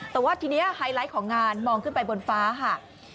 แต่ว่าทีนี้ไฮไลท์ของงานมองขึ้นไปบนฟ้าค่ะ